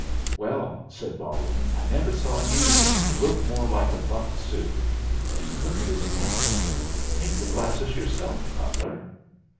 "Well," said Balwin, "I never saw anything look more like a buck Sioux. Look at his paint. Take the glasses yourself, Cutler."